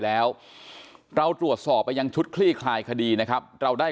แล้วเราตรวจสอบไปยังชุดคลี่คลายคดีนะครับเราได้